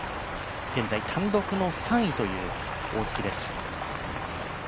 現在、単独の３位という大槻です。